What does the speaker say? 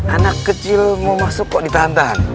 anak kecil mau masuk kok ditahan tahan